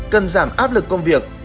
cần giảm áp lực công việc